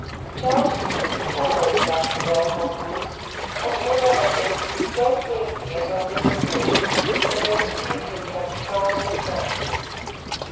Charles Stevens had always loved the dark old woods, and never had they seemed so friendly as on this occasion, when they screened him from the frowns of man.